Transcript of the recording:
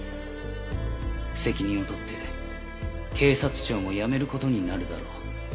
「責任を取って警察庁も辞めることになるだろう」